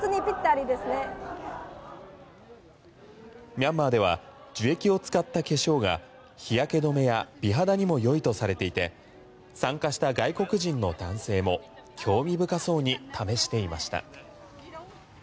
ミャンマーでは樹液を使った化粧が日焼け止めや美肌にも良いとされていて参加した外国人の男性も興味深そうに試していました。